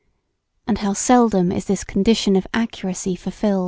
And how seldom is this condition of accuracy fulfilled.